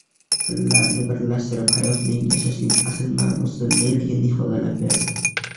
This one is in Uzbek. Dillarni birlashtirib, hayotning, yashashning asl ma’nosi neligini ifodalab berdi.